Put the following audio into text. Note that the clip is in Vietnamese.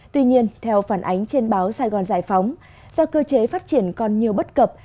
tuy nhiên theo phản ánh trên báo sài gòn giải phóng do cơ chế phát triển còn nhiều bất cập